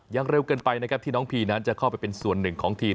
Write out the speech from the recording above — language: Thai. เร็วเกินไปนะครับที่น้องพีนั้นจะเข้าไปเป็นส่วนหนึ่งของทีม